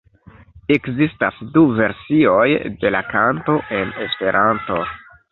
Ekzistas du versioj de la kanto en Esperanto.